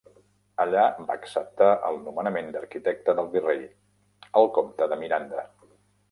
Allà va acceptar el nomenament d'arquitecte del virrei, el comte de Miranda.